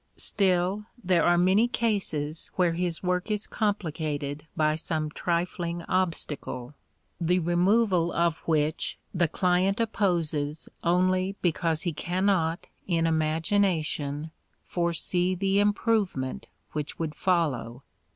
Still, there are many cases where his work is complicated by some trifling obstacle, the removal of which the client opposes only because he cannot in imagination foresee the improvement which would follow.